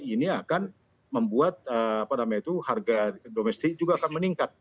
ini akan membuat harga domestik juga akan meningkat